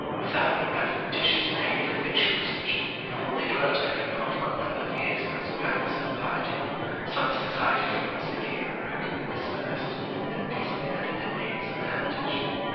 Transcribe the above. Without the adventitious aid of victuals and drink, they dwelt I know not what number of years in this practice of piety, saw the society from whence they came broken and dispersed, and peaceably ended their days in the hermitage.'